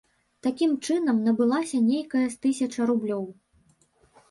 Такім чынам набылася нейкая з тысяча рублёў.